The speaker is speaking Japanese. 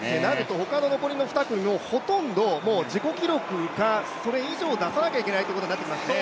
他の残りの２組も、自己記録以上か、それ以上出さなきゃいけないということになってきますね。